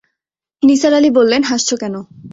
নিসার আলি বললেন, হাসছ কেন?